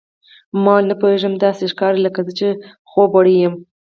ما وویل، نه پوهېږم، داسې ښکاري لکه زه چې خوبوړی یم.